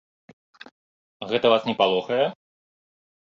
Гэта вас не палохае?